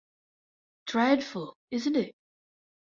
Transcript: Dreadful isn’t it?